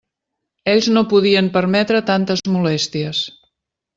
Ells no podien permetre tantes molèsties.